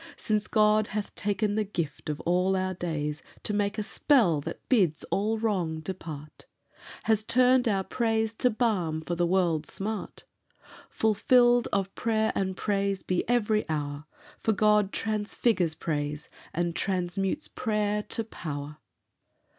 Since God hath taken the gift of all our days To make a spell that bids all wrong depart, Has turned our praise to balm for the world's smart, Fulfilled of prayer and praise be every hour, For God transfigures praise, and transmutes prayer, to power."